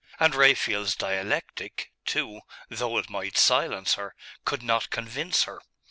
And Raphael's dialectic, too, though it might silence her, could not convince her.